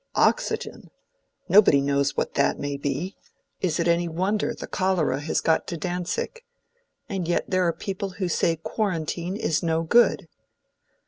"Oxygen! nobody knows what that may be—is it any wonder the cholera has got to Dantzic? And yet there are people who say quarantine is no good!"